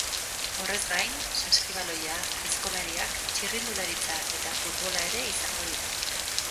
Horrez gain, saskibaloia, aizkolariak, txirrindularitza eta futbola ere izango dira.